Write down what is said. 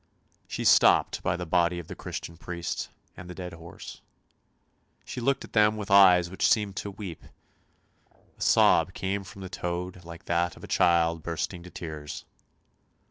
She stopped by the body of the Christian priest and the dead horse; she looked at them with eyes which seemed to weep ; a sob came from the toad like that of a child bursting into tears.